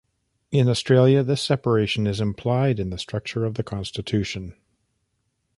In Australia, this separation is implied in the structure of the Constitution.